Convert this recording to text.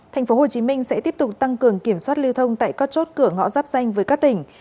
thành phố hồ chí minh sẽ tiếp tục tăng cường kiểm soát lưu thông tại các chốt cửa ngõ giáp xanh với các tỉnh